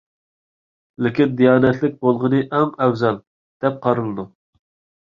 لېكىن دىيانەتلىك بولغىنى ئەڭ ئەۋزەل دەپ قارىلىدۇ.